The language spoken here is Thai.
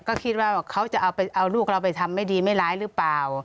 ก็คิดว่าเขาจะเอาลูกเราไปทำไม่ดีไม่ร้ายหรือเปล่า